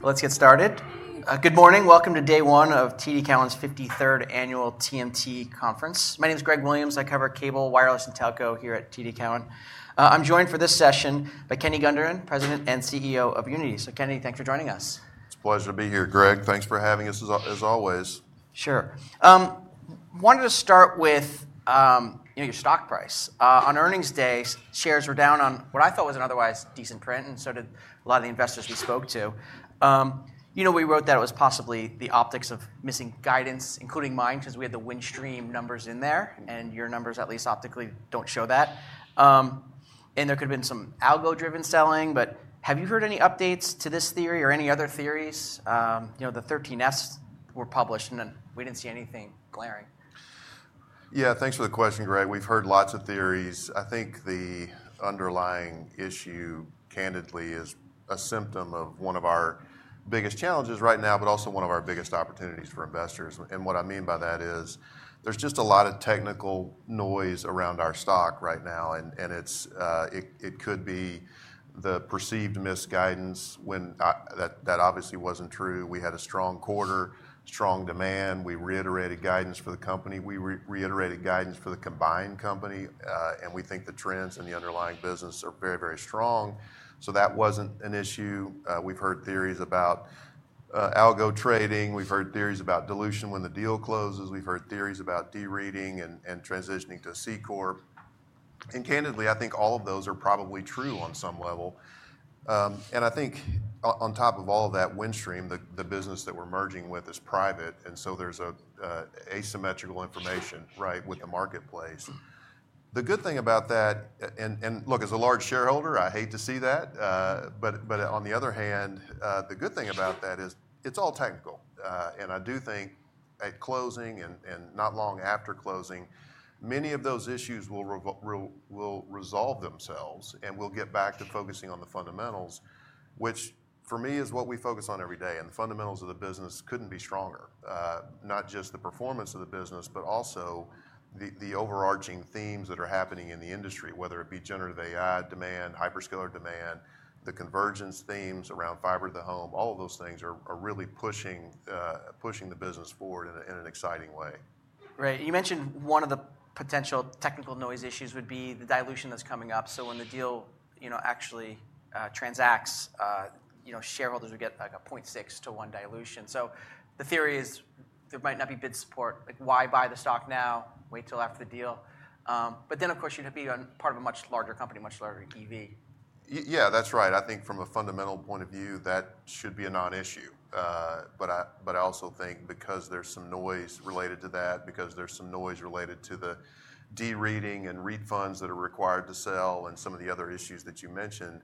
Let's get started. Good morning. Welcome to day one of TD Cowen's 53rd Annual TMT Conference. My name is Gregory Williams. I cover cable, wireless, and telco here at TD Cowen. I'm joined for this session by Kenny Gunderman, President and CEO of Uniti. So, Kenny, thanks for joining us. It's a pleasure to be here, Greg. Thanks for having us, as always. Sure. I wanted to start with your stock price. On earnings day, shares were down on what I thought was an otherwise decent print, and so did a lot of the investors we spoke to. We wrote that it was possibly the optics of missing guidance, including mine, because we had the Windstream numbers in there, and your numbers, at least optically, do not show that. There could have been some algo-driven selling. Have you heard any updates to this theory or any other theories? The 13Fs were published, and we did not see anything glaring. Yeah, thanks for the question, Greg. We've heard lots of theories. I think the underlying issue, candidly, is a symptom of one of our biggest challenges right now, but also one of our biggest opportunities for investors. What I mean by that is there's just a lot of technical noise around our stock right now. It could be the perceived misguidance when that obviously wasn't true. We had a strong quarter, strong demand. We reiterated guidance for the company. We reiterated guidance for the combined company. We think the trends and the underlying business are very, very strong. That wasn't an issue. We've heard theories about algo trading. We've heard theories about dilution when the deal closes. We've heard theories about dereading and transitioning to C Corp. Candidly, I think all of those are probably true on some level. I think on top of all of that, Windstream, the business that we're merging with, is private. There is asymmetrical information with the marketplace. The good thing about that, and look, as a large shareholder, I hate to see that. On the other hand, the good thing about that is it's all technical. I do think at closing and not long after closing, many of those issues will resolve themselves. We'll get back to focusing on the fundamentals, which for me is what we focus on every day. The fundamentals of the business couldn't be stronger, not just the performance of the business, but also the overarching themes that are happening in the industry, whether it be generative AI demand, hyperscaler demand, the convergence themes around fiber to the home. All of those things are really pushing the business forward in an exciting way. Right. You mentioned one of the potential technical noise issues would be the dilution that's coming up. When the deal actually transacts, shareholders would get like a 0.6 to one dilution. The theory is there might not be bid support. Why buy the stock now? Wait till after the deal. Of course, you'd be part of a much larger company, much larger EV. Yeah, that's right. I think from a fundamental point of view, that should be a non-issue. I also think because there's some noise related to that, because there's some noise related to the dereading and refunds that are required to sell and some of the other issues that you mentioned,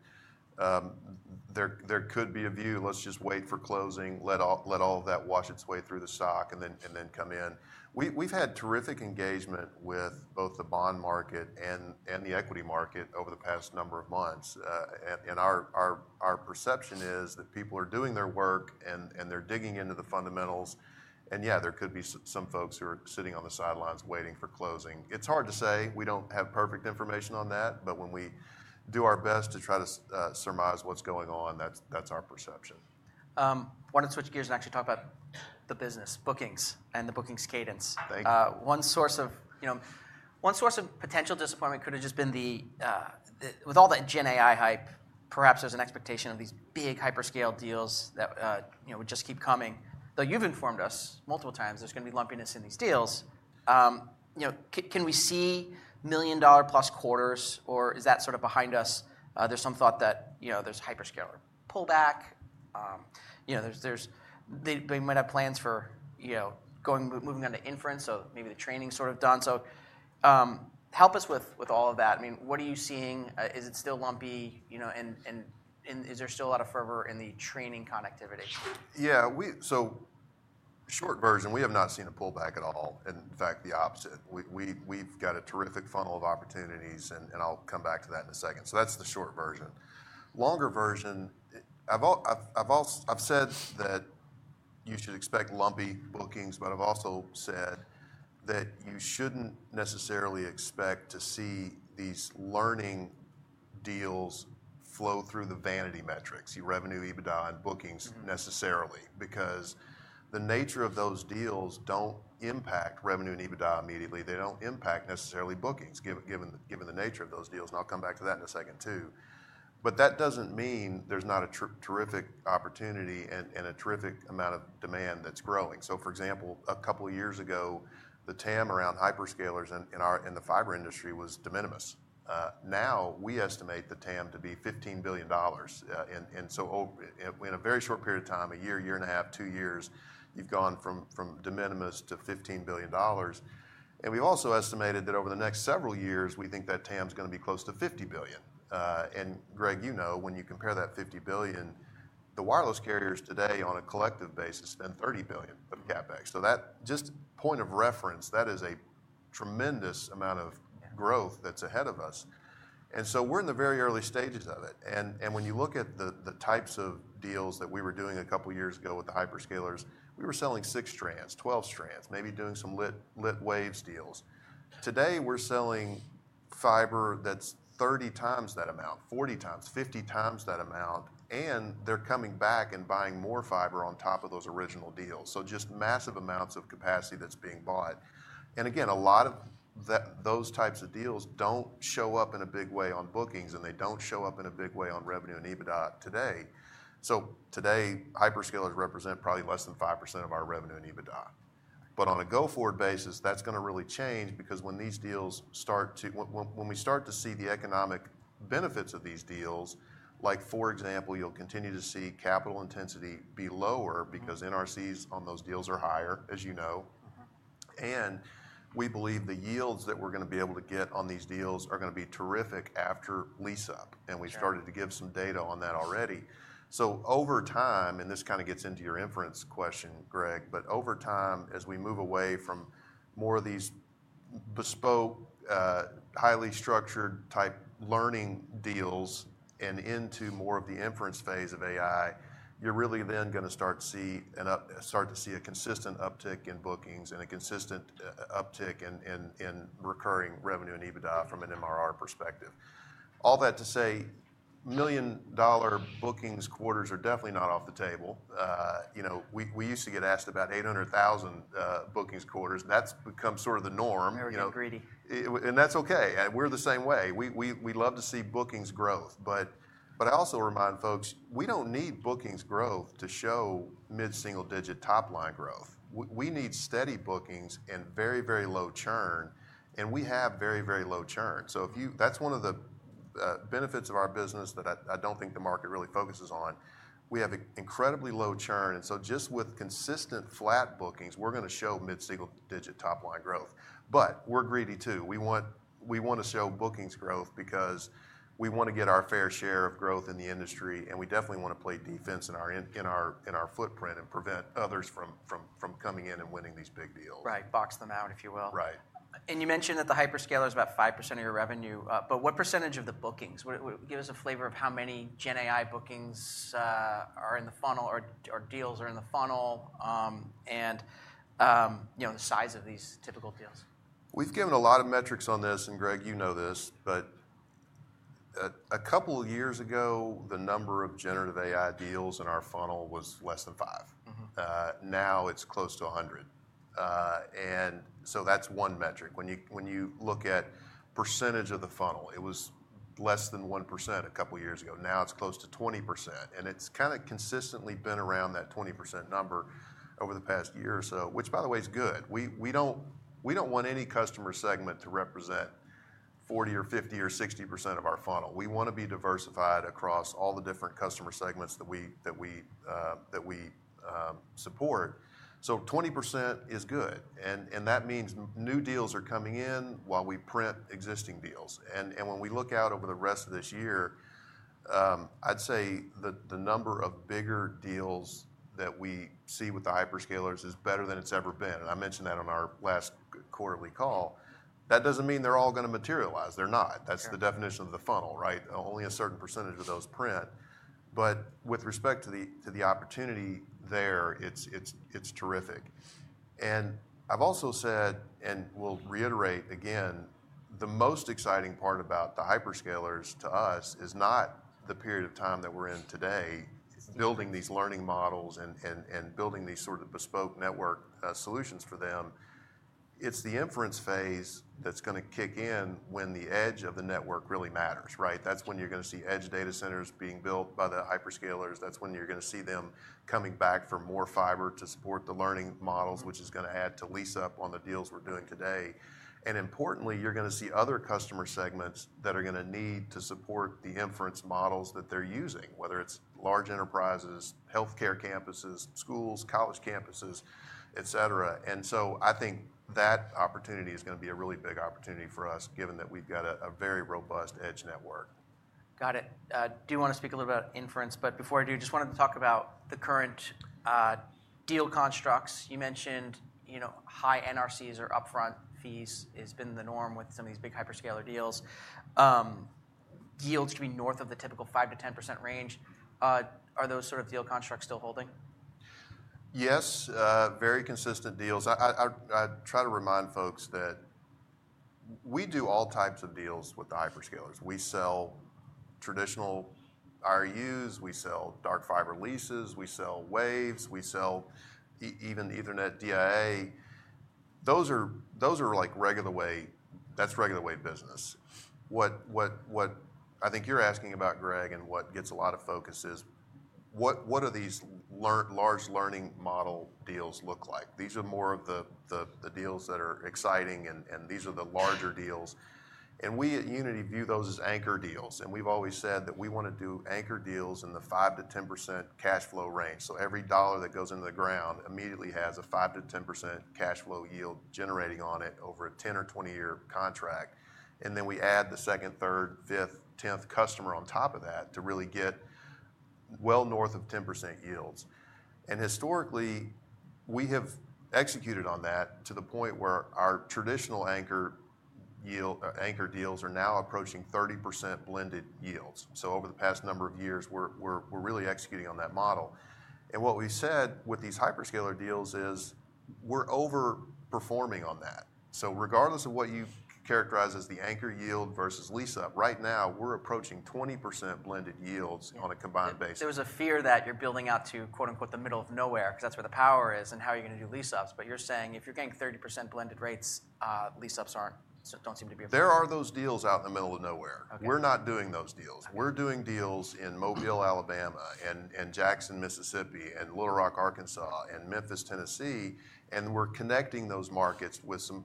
there could be a view, let's just wait for closing, let all of that wash its way through the stock, and then come in. We've had terrific engagement with both the bond market and the equity market over the past number of months. Our perception is that people are doing their work, and they're digging into the fundamentals. Yeah, there could be some folks who are sitting on the sidelines waiting for closing. It's hard to say. We don't have perfect information on that. When we do our best to try to surmise what's going on, that's our perception. I want to switch gears and actually talk about the business bookings and the bookings cadence. Thank you. One source of potential disappointment could have just been with all that GenAI hype, perhaps there's an expectation of these big hyperscale deals that would just keep coming. Though you've informed us multiple times there's going to be lumpiness in these deals. Can we see million-dollar-plus quarters, or is that sort of behind us? There's some thought that there's hyperscaler pullback. They might have plans for moving on to inference, so maybe the training's sort of done. So help us with all of that. I mean, what are you seeing? Is it still lumpy? And is there still a lot of fervor in the training connectivity? Yeah. Short version, we have not seen a pullback at all. In fact, the opposite. We've got a terrific funnel of opportunities, and I'll come back to that in a second. That's the short version. Longer version, I've said that you should expect lumpy bookings, but I've also said that you shouldn't necessarily expect to see these learning deals flow through the vanity metrics, your revenue, EBITDA, and bookings necessarily, because the nature of those deals don't impact revenue and EBITDA immediately. They don't impact necessarily bookings, given the nature of those deals. I'll come back to that in a second, too. That doesn't mean there's not a terrific opportunity and a terrific amount of demand that's growing. For example, a couple of years ago, the TAM around hyperscalers in the fiber industry was de minimis. Now we estimate the TAM to be $15 billion. In a very short period of time, a year, year and a half, two years, you've gone from de minimis to $15 billion. We've also estimated that over the next several years, we think that TAM is going to be close to $50 billion. Greg, you know, when you compare that $50 billion, the wireless carriers today, on a collective basis, spend $30 billion of CapEx. Just point of reference, that is a tremendous amount of growth that's ahead of us. We're in the very early stages of it. When you look at the types of deals that we were doing a couple of years ago with the hyperscalers, we were selling six strands, 12 strands, maybe doing some lit waves deals. Today, we're selling fiber that's 30 times that amount, 40 times, 50 times that amount. They're coming back and buying more fiber on top of those original deals. Just massive amounts of capacity that's being bought. Again, a lot of those types of deals don't show up in a big way on bookings, and they don't show up in a big way on revenue and EBITDA today. Today, hyperscalers represent probably less than 5% of our revenue and EBITDA. On a go-forward basis, that's going to really change because when these deals start to—when we start to see the economic benefits of these deals, like for example, you'll continue to see capital intensity be lower because NRCs on those deals are higher, as you know. We believe the yields that we're going to be able to get on these deals are going to be terrific after lease-up. We have started to give some data on that already. Over time, and this kind of gets into your inference question, Greg, but over time, as we move away from more of these bespoke, highly structured-type learning deals and into more of the inference phase of AI, you are really then going to start to see a consistent uptick in bookings and a consistent uptick in recurring revenue and EBITDA from an MRR perspective. All that to say, million-dollar bookings quarters are definitely not off the table. We used to get asked about $800,000 bookings quarters. That has become sort of the norm. Very greedy. That is OK. We are the same way. We love to see bookings growth. I also remind folks, we do not need bookings growth to show mid-single-digit top-line growth. We need steady bookings and very, very low churn. We have very, very low churn. That is one of the benefits of our business that I do not think the market really focuses on. We have incredibly low churn. Just with consistent flat bookings, we are going to show mid-single-digit top-line growth. We are greedy, too. We want to show bookings growth because we want to get our fair share of growth in the industry. We definitely want to play defense in our footprint and prevent others from coming in and winning these big deals. Right. Box them out, if you will. Right. You mentioned that the hyperscaler is about 5% of your revenue. What percentage of the bookings? Give us a flavor of how many GenAI bookings are in the funnel or deals are in the funnel and the size of these typical deals. We've given a lot of metrics on this. Greg, you know this. A couple of years ago, the number of generative AI deals in our funnel was less than five. Now it's close to 100. That's one metric. When you look at percentage of the funnel, it was less than 1% a couple of years ago. Now it's close to 20%. It's kind of consistently been around that 20% number over the past year or so, which, by the way, is good. We don't want any customer segment to represent 40% or 50% or 60% of our funnel. We want to be diversified across all the different customer segments that we support. 20% is good. That means new deals are coming in while we print existing deals. When we look out over the rest of this year, I'd say the number of bigger deals that we see with the hyperscalers is better than it's ever been. I mentioned that on our last quarterly call. That doesn't mean they're all going to materialize. They're not. That's the definition of the funnel, right? Only a certain percentage of those print. With respect to the opportunity there, it's terrific. I've also said, and will reiterate again, the most exciting part about the hyperscalers to us is not the period of time that we're in today building these learning models and building these sort of bespoke network solutions for them. It's the inference phase that's going to kick in when the edge of the network really matters, right? That's when you're going to see edge data centers being built by the hyperscalers. That's when you're going to see them coming back for more fiber to support the learning models, which is going to add to lease-up on the deals we're doing today. Importantly, you're going to see other customer segments that are going to need to support the inference models that they're using, whether it's large enterprises, health care campuses, schools, college campuses, et cetera. I think that opportunity is going to be a really big opportunity for us, given that we've got a very robust edge network. Got it. Do you want to speak a little bit about inference? Before I do, I just wanted to talk about the current deal constructs. You mentioned high NRCs or upfront fees has been the norm with some of these big hyperscaler deals. Yields should be north of the typical 5%-10% range. Are those sort of deal constructs still holding? Yes. Very consistent deals. I try to remind folks that we do all types of deals with the hyperscalers. We sell traditional RUs. We sell dark fiber leases. We sell waves. We sell even Ethernet DIA. Those are like regular way business. What I think you're asking about, Greg, and what gets a lot of focus is, what do these large learning model deals look like? These are more of the deals that are exciting, and these are the larger deals. And we at Uniti view those as anchor deals. We have always said that we want to do anchor deals in the 5%-10% cash flow range. Every dollar that goes into the ground immediately has a 5% to 10% cash flow yield generating on it over a 10 or 20-year contract. We add the second, third, fifth, tenth customer on top of that to really get well north of 10% yields. Historically, we have executed on that to the point where our traditional anchor deals are now approaching 30% blended yields. Over the past number of years, we're really executing on that model. What we said with these hyperscaler deals is we're overperforming on that. Regardless of what you characterize as the anchor yield versus lease-up, right now, we're approaching 20% blended yields on a combined basis. There was a fear that you're building out to "the middle of nowhere" because that's where the power is and how you're going to do lease-ups. You're saying if you're getting 30% blended rates, lease-ups don't seem to be a problem. There are those deals out in the middle of nowhere. We're not doing those deals. We're doing deals in Mobile, Alabama, and Jackson, Mississippi, and Little Rock, Arkansas, and Memphis, Tennessee. We're connecting those markets with some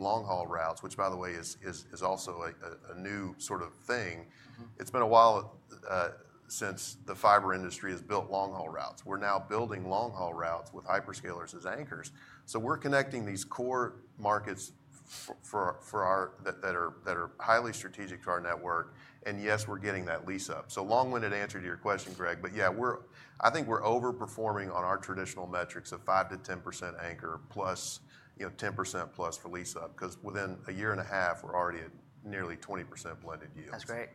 long-haul routes, which, by the way, is also a new sort of thing. It's been a while since the fiber industry has built long-haul routes. We're now building long-haul routes with hyperscalers as anchors. We're connecting these core markets that are highly strategic to our network. Yes, we're getting that lease-up. Long-winded answer to your question, Greg. Yeah, I think we're overperforming on our traditional metrics of 5% to 10% anchor 10%+ for lease-up because within a year and a half, we're already at nearly 20% blended yields. That's great.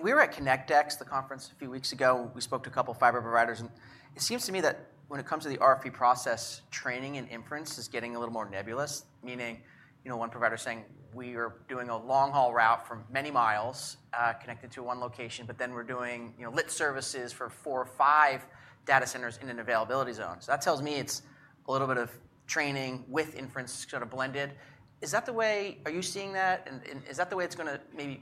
We were at ConnectX, the conference a few weeks ago. We spoke to a couple of fiber providers. It seems to me that when it comes to the RFP process, training and inference is getting a little more nebulous, meaning one provider saying, we are doing a long-haul route for many miles connected to one location, but then we're doing lit services for four or five data centers in an availability zone. That tells me it's a little bit of training with inference sort of blended. Is that the way? Are you seeing that? Is that the way it's going to maybe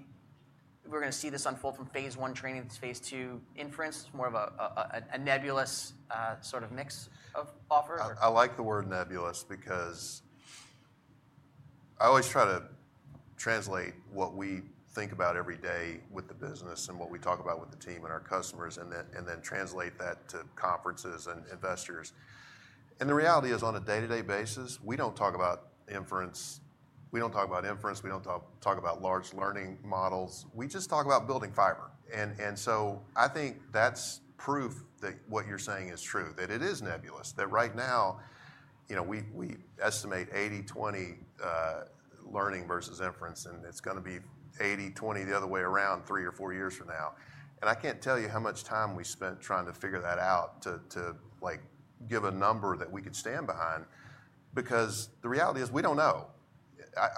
we're going to see this unfold from phase one training to phase two inference, more of a nebulous sort of mix of offers? I like the word nebulous because I always try to translate what we think about every day with the business and what we talk about with the team and our customers and then translate that to conferences and investors. The reality is, on a day-to-day basis, we do not talk about inference. We do not talk about inference. We do not talk about large learning models. We just talk about building fiber. I think that is proof that what you are saying is true, that it is nebulous, that right now, we estimate 80/20 learning versus inference, and it is going to be 80/20 the other way around three or four years from now. I cannot tell you how much time we spent trying to figure that out to give a number that we could stand behind because the reality is we do not know.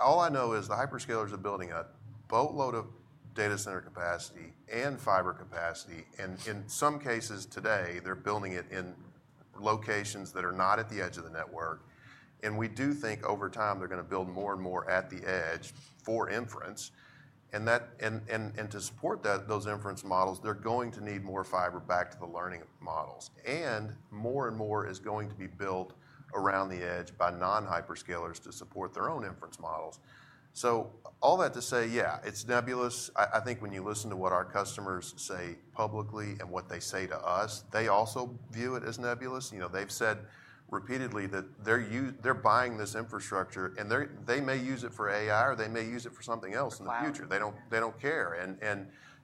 All I know is the hyperscalers are building a boatload of data center capacity and fiber capacity. In some cases today, they're building it in locations that are not at the edge of the network. We do think over time, they're going to build more and more at the edge for inference. To support those inference models, they're going to need more fiber back to the learning models. More and more is going to be built around the edge by non-hyperscalers to support their own inference models. All that to say, yeah, it's nebulous. I think when you listen to what our customers say publicly and what they say to us, they also view it as nebulous. They've said repeatedly that they're buying this infrastructure, and they may use it for AI, or they may use it for something else in the future. They do not care.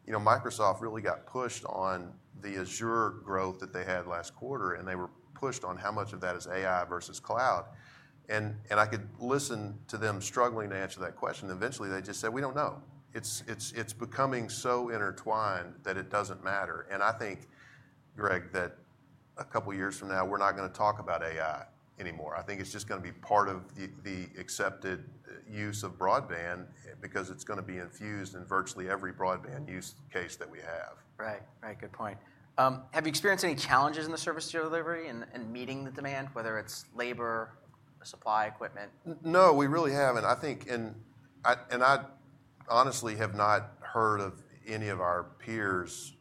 Microsoft really got pushed on the Azure growth that they had last quarter, and they were pushed on how much of that is AI versus Cloud. I could listen to them struggling to answer that question. Eventually, they just said, we do not know. It is becoming so intertwined that it does not matter. I think, Greg, that a couple of years from now, we are not going to talk about AI anymore. I think it is just going to be part of the accepted use of broadband because it is going to be infused in virtually every broadband use case that we have. Right. Right. Good point. Have you experienced any challenges in the service delivery and meeting the demand, whether it's labor, supply, equipment? No, we really haven't. I think, and I honestly have not heard of any of our peers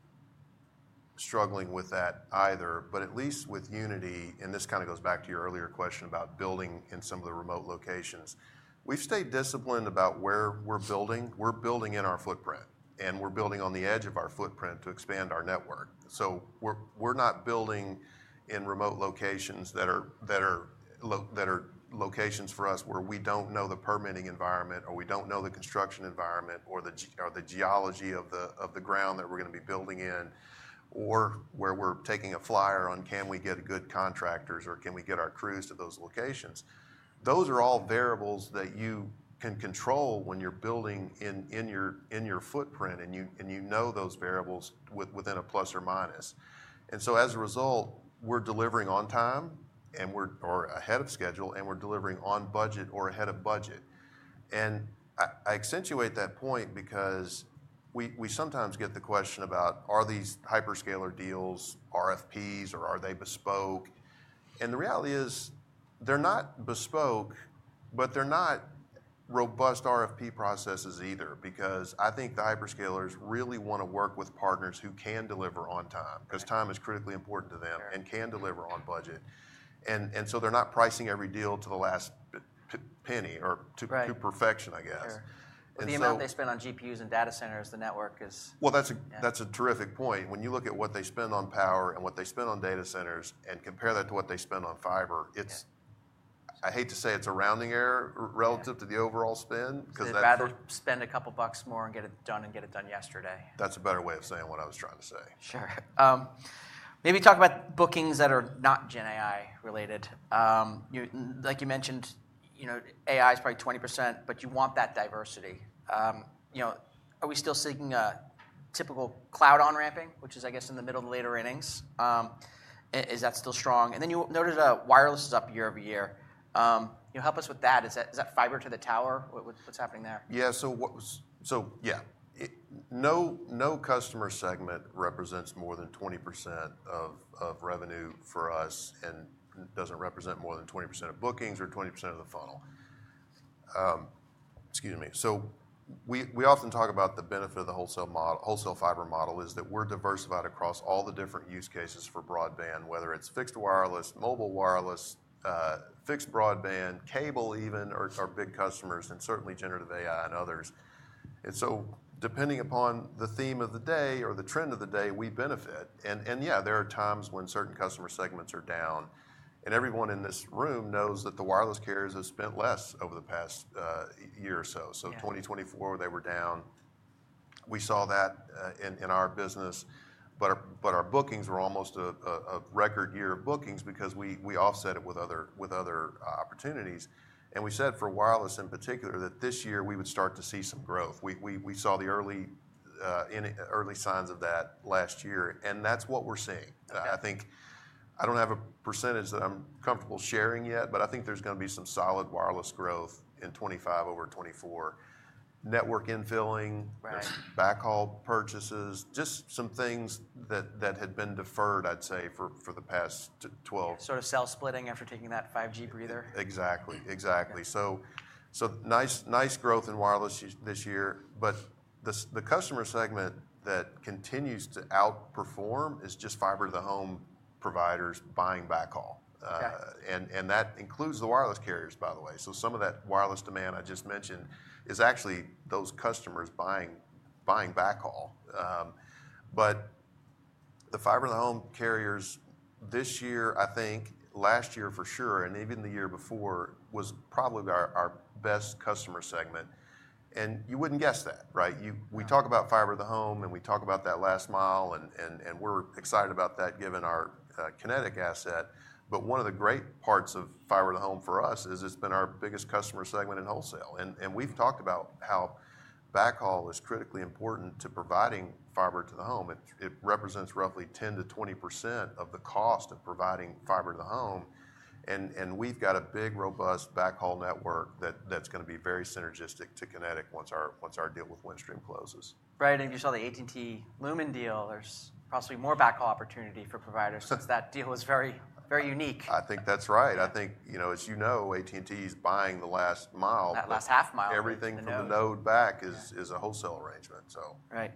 struggling with that either. At least with Uniti, and this kind of goes back to your earlier question about building in some of the remote locations, we've stayed disciplined about where we're building. We're building in our footprint, and we're building on the edge of our footprint to expand our network. We're not building in remote locations that are locations for us where we don't know the permitting environment, or we don't know the construction environment, or the geology of the ground that we're going to be building in, or where we're taking a flyer on, can we get good contractors, or can we get our crews to those locations? Those are all variables that you can control when you're building in your footprint, and you know those variables within a plus or minus. As a result, we're delivering on time or ahead of schedule, and we're delivering on budget or ahead of budget. I accentuate that point because we sometimes get the question about, are these hyperscaler deals RFPs, or are they bespoke? The reality is they're not bespoke, but they're not robust RFP processes either because I think the hyperscalers really want to work with partners who can deliver on time because time is critically important to them and can deliver on budget. They're not pricing every deal to the last penny or to perfection, I guess. Right. The amount they spend on GPUs and data centers, the network is. That's a terrific point. When you look at what they spend on power and what they spend on data centers and compare that to what they spend on fiber, I hate to say it's a rounding error relative to the overall spend because that's. You'd rather spend a couple of bucks more and get it done and get it done yesterday. That's a better way of saying what I was trying to say. Sure. Maybe talk about bookings that are not GenAI related. Like you mentioned, AI is probably 20%, but you want that diversity. Are we still seeing a typical Cloud on-ramping, which is, I guess, in the middle of the later innings? Is that still strong? You noted wireless is up year over year. Help us with that. Is that fiber to the tower? What's happening there? Yeah. So yeah, no customer segment represents more than 20% of revenue for us and does not represent more than 20% of bookings or 20% of the funnel. Excuse me. We often talk about the benefit of the wholesale fiber model is that we are diversified across all the different use cases for broadband, whether it is fixed wireless, mobile wireless, fixed broadband, cable even, or big customers, and certainly generative AI and others. Depending upon the theme of the day or the trend of the day, we benefit. There are times when certain customer segments are down. Everyone in this room knows that the wireless carriers have spent less over the past year or so. In 2024, they were down. We saw that in our business, but our bookings were almost a record year of bookings because we offset it with other opportunities. We said for wireless in particular that this year we would start to see some growth. We saw the early signs of that last year, and that's what we're seeing. I don't have a percentage that I'm comfortable sharing yet, but I think there's going to be some solid wireless growth in 2025 over 2024. Network infilling, backhaul purchases, just some things that had been deferred, I'd say, for the past 12. Sort of sell splitting after taking that 5G breather. Exactly. Exactly. Nice growth in wireless this year. The customer segment that continues to outperform is just fiber to the home providers buying backhaul. That includes the wireless carriers, by the way. Some of that wireless demand I just mentioned is actually those customers buying backhaul. The fiber to the home carriers this year, I think, last year for sure, and even the year before, was probably our best customer segment. You would not guess that, right? We talk about fiber to the home, and we talk about that last mile, and we are excited about that given our Kinetic asset. One of the great parts of fiber to the home for us is it has been our biggest customer segment in wholesale. We have talked about how backhaul is critically important to providing fiber to the home. It represents roughly 10% to 20% of the cost of providing fiber to the home. We have a big, robust backhaul network that is going to be very synergistic to Kinetic once our deal with Windstream closes. Right. You saw the AT&T/Lumen deal. There's possibly more backhaul opportunity for providers since that deal was very unique. I think that's right. I think, as you know, AT&T is buying the last mile. That last half mile. Everything from the node back is a wholesale arrangement. Right.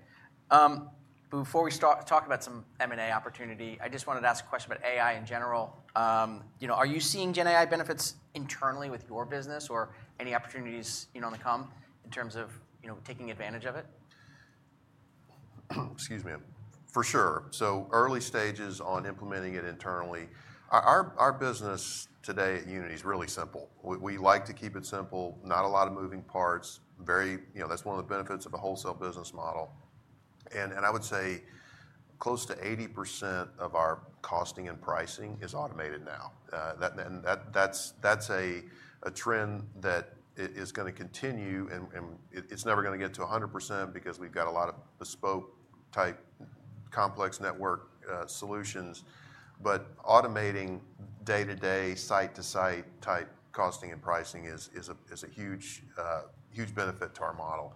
Before we talk about some M&A opportunity, I just wanted to ask a question about AI in general. Are you seeing GenAI benefits internally with your business or any opportunities to come in terms of taking advantage of it? Excuse me. For sure. Early stages on implementing it internally. Our business today at Uniti is really simple. We like to keep it simple, not a lot of moving parts. That is one of the benefits of a wholesale business model. I would say close to 80% of our costing and pricing is automated now. That is a trend that is going to continue. It is never going to get to 100% because we have a lot of bespoke-type complex network solutions. Automating day-to-day, site-to-site type costing and pricing is a huge benefit to our model.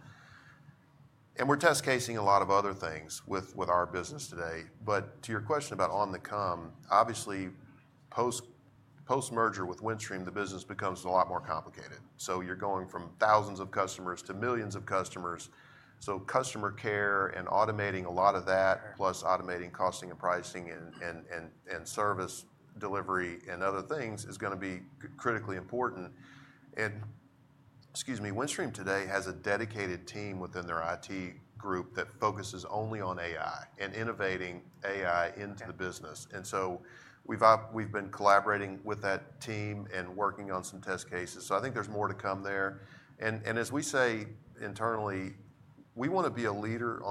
We are test casing a lot of other things with our business today. To your question about on the come, obviously, post-merger with Windstream, the business becomes a lot more complicated. You are going from thousands of customers to millions of customers. Customer care and automating a lot of that, plus automating costing and pricing and service delivery and other things is going to be critically important. Excuse me, Windstream today has a dedicated team within their IT group that focuses only on AI and innovating AI into the business. We have been collaborating with that team and working on some test cases. I think there is more to come there. As we say internally, we want to be a leader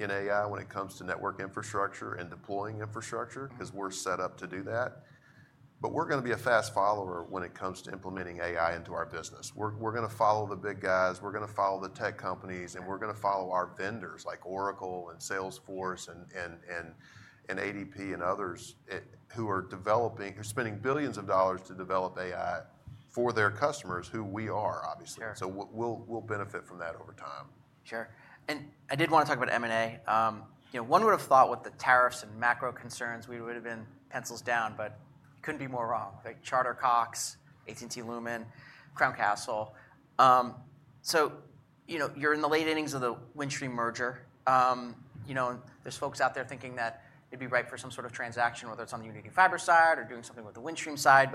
in AI when it comes to network infrastructure and deploying infrastructure because we are set up to do that. We are going to be a fast follower when it comes to implementing AI into our business. We are going to follow the big guys. We are going to follow the tech companies. We're going to follow our vendors like Oracle and Salesforce and ADP and others who are spending billions of dollars to develop AI for their customers, who we are, obviously. We'll benefit from that over time. Sure. I did want to talk about M&A. One would have thought with the tariffs and macro concerns, we would have been pencils down, but couldn't be more wrong. Charter, Cox, AT&T/Lumen, Crown Castle. You're in the late innings of the Windstream merger. There's folks out there thinking that it'd be right for some sort of transaction, whether it's on the Uniti Fiber side or doing something with the Windstream side.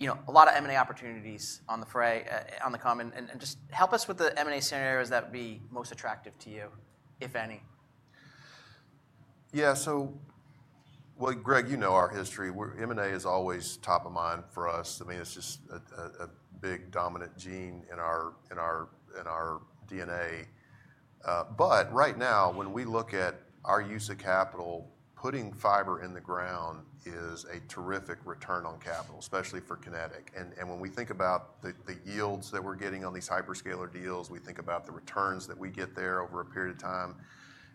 A lot of M&A opportunities on the common and just help us with the M&A scenarios that would be most attractive to you, if any. Yeah. So Greg, you know our history. M&A is always top of mind for us. I mean, it's just a big dominant gene in our DNA. Right now, when we look at our use of capital, putting fiber in the ground is a terrific return on capital, especially for Kinetic. When we think about the yields that we're getting on these hyperscaler deals, we think about the returns that we get there over a period of time.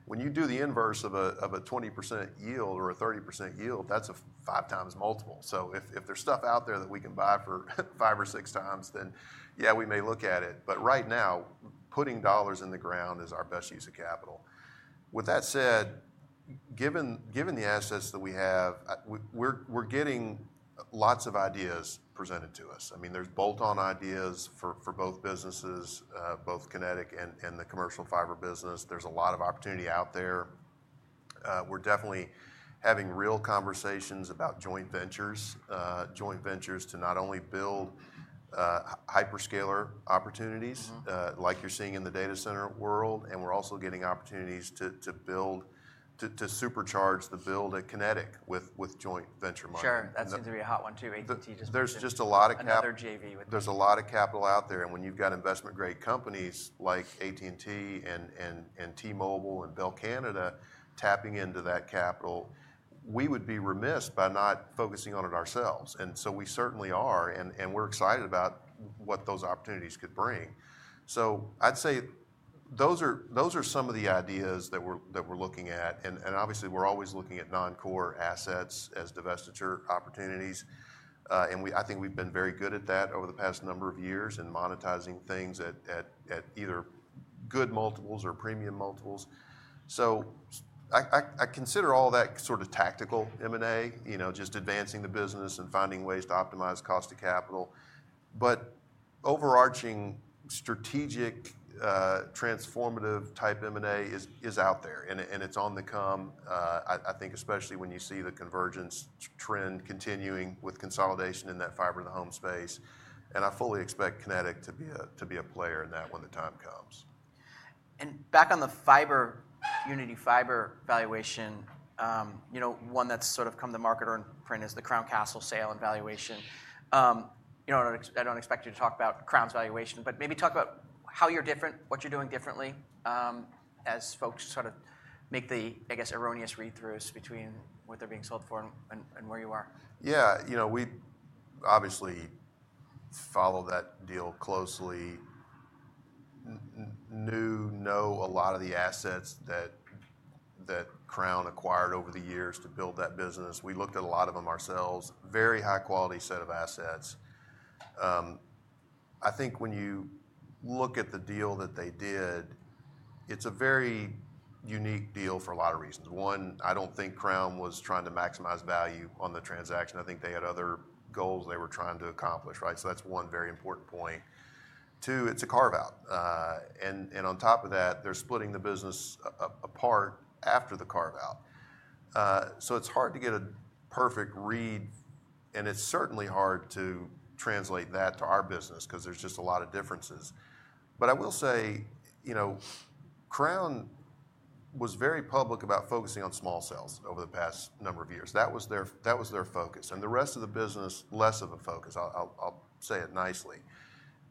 When you do the inverse of a 20% yield or a 30% yield, that's a five-times multiple. If there's stuff out there that we can buy for five or six times, then yeah, we may look at it. Right now, putting dollars in the ground is our best use of capital. With that said, given the assets that we have, we're getting lots of ideas presented to us. I mean, there's bolt-on ideas for both businesses, both Kinetic and the commercial fiber business. There's a lot of opportunity out there. We're definitely having real conversations about joint ventures, joint ventures to not only build hyperscaler opportunities like you're seeing in the data center world, and we're also getting opportunities to supercharge the build at Kinetic with joint venture money. Sure. That seems to be a hot one too. AT&T just. There's just a lot of capital. Another JV with. There's a lot of capital out there. When you've got investment-grade companies like AT&T and T-Mobile and Bell Canada tapping into that capital, we would be remiss by not focusing on it ourselves. We certainly are, and we're excited about what those opportunities could bring. I'd say those are some of the ideas that we're looking at. Obviously, we're always looking at non-core assets as divestiture opportunities. I think we've been very good at that over the past number of years in monetizing things at either good multiples or premium multiples. I consider all that sort of tactical M&A, just advancing the business and finding ways to optimize cost of capital. Overarching strategic transformative type M&A is out there, and it's on the come, I think, especially when you see the convergence trend continuing with consolidation in that fiber to the home space. I fully expect Kinetic to be a player in that when the time comes. Back on the fiber, Uniti Fiber valuation, one that's sort of come to market or in print is the Crown Castle sale and valuation. I don't expect you to talk about Crown's valuation, but maybe talk about how you're different, what you're doing differently as folks sort of make the, I guess, erroneous read-throughs between what they're being sold for and where you are. Yeah. We obviously follow that deal closely. Knew, know a lot of the assets that Crown acquired over the years to build that business. We looked at a lot of them ourselves. Very high-quality set of assets. I think when you look at the deal that they did, it's a very unique deal for a lot of reasons. One, I don't think Crown was trying to maximize value on the transaction. I think they had other goals they were trying to accomplish, right? That's one very important point. Two, it's a carve-out. On top of that, they're splitting the business apart after the carve-out. It's hard to get a perfect read, and it's certainly hard to translate that to our business because there's just a lot of differences. I will say Crown was very public about focusing on small cells over the past number of years. That was their focus. The rest of the business, less of a focus, I'll say it nicely.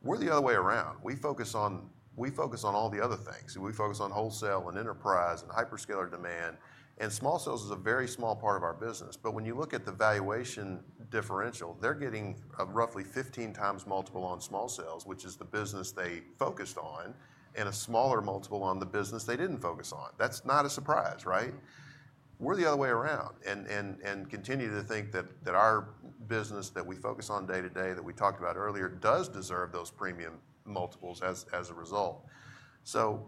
We're the other way around. We focus on all the other things. We focus on wholesale and enterprise and hyperscaler demand. Small cells is a very small part of our business. When you look at the valuation differential, they're getting roughly 15 times multiple on small cells, which is the business they focused on, and a smaller multiple on the business they did not focus on. That's not a surprise, right? We're the other way around and continue to think that our business that we focus on day to day that we talked about earlier does deserve those premium multiples as a result.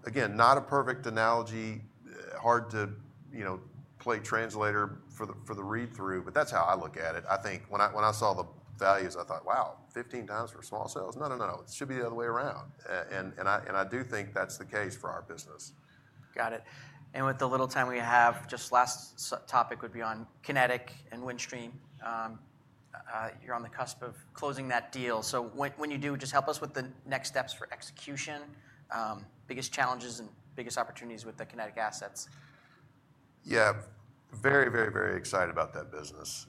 Again, not a perfect analogy, hard to play translator for the read-through, but that's how I look at it. I think when I saw the values, I thought, wow, 15 times for small cells? No, no, no, no. It should be the other way around. I do think that's the case for our business. Got it. With the little time we have, just last topic would be on Kinetic and Windstream. You're on the cusp of closing that deal. When you do, just help us with the next steps for execution, biggest challenges and biggest opportunities with the Kinetic assets. Yeah. Very, very, very excited about that business.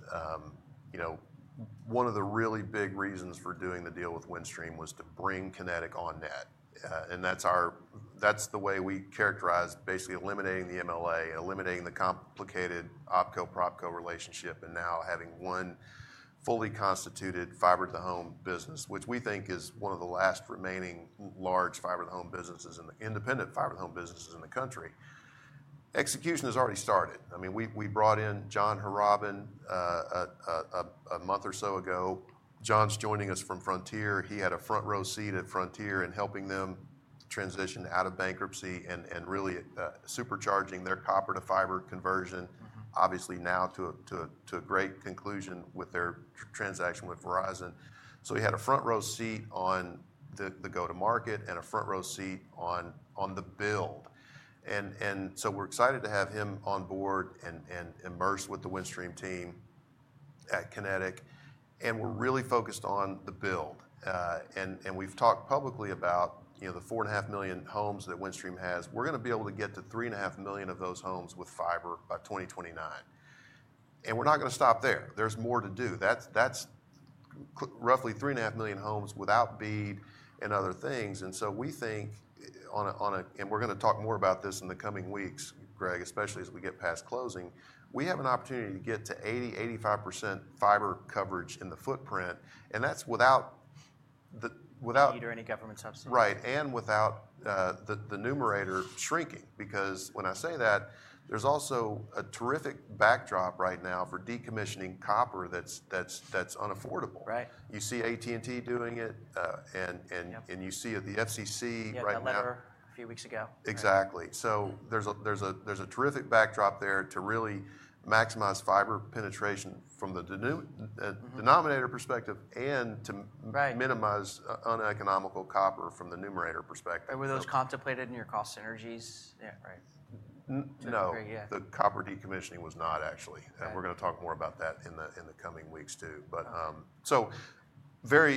One of the really big reasons for doing the deal with Windstream was to bring Kinetic on net. That is the way we characterize basically eliminating the MLA and eliminating the complicated OpCo/PropCo relationship and now having one fully constituted fiber to the home business, which we think is one of the last remaining large fiber to the home businesses and independent fiber to the home businesses in the country. Execution has already started. I mean, we brought in John Harabin a month or so ago. John is joining us from Frontier. He had a front row seat at Frontier in helping them transition out of bankruptcy and really supercharging their copper to fiber conversion, obviously now to a great conclusion with their transaction with Verizon. He had a front row seat on the go-to-market and a front row seat on the build. We are excited to have him on board and immersed with the Windstream team at Kinetic. We are really focused on the build. We have talked publicly about the four and a half million homes that Windstream has. We are going to be able to get to three and a half million of those homes with fiber by 2029. We are not going to stop there. There is more to do. That is roughly three and a half million homes without BEAD and other things. We think on a, and we are going to talk more about this in the coming weeks, Greg, especially as we get past closing, we have an opportunity to get to 80% to 85% fiber coverage in the footprint. That is without. Bead or any government subsidy. Right. Without the numerator shrinking because when I say that, there is also a terrific backdrop right now for decommissioning copper that is unaffordable. You see AT&T doing it, and you see the FCC. Yeah. The letter a few weeks ago. Exactly. There is a terrific backdrop there to really maximize fiber penetration from the denominator perspective and to minimize uneconomical copper from the numerator perspective. Were those contemplated in your cost synergies? Yeah. Right. No. The copper decommissioning was not actually. We are going to talk more about that in the coming weeks too. But so very.